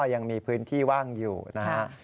ยังมีพื้นที่ว่างอยู่นะฮะ